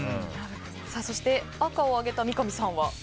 そして、赤を上げた三上さんは。